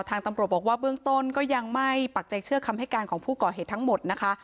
ทางตำรวจบอกว่าเบื้องต้นก็ยังไม่ปักใจเชื่อคำให้การของผู้ก่อเหตุทั้งหมดนะคะ